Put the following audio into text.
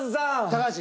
高橋。